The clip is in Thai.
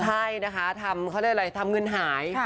ใช่นะคะทำเงินหาย